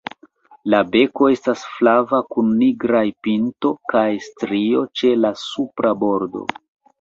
La beko estas flava kun nigraj pinto kaj strio ĉe la supra bordo.